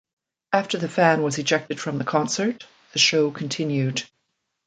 After the fan was ejected from the concert, the show continued.